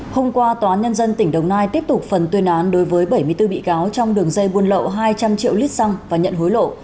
hôm qua tòa nhân dân tỉnh đồng nai tiếp tục phần tuyên án đối với bảy mươi bốn bị cáo trong đường dây buôn lậu hai trăm linh triệu lít xăng và nhận hối lộ